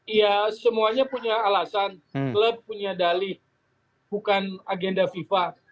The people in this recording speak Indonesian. ya semuanya punya alasan klub punya dalih bukan agenda fifa